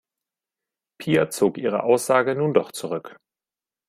Pia zog ihre Aussage nun doch zurück.